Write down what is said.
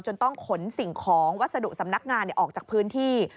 ต้องขนสิ่งของวัสดุสำนักงานออกจากพื้นที่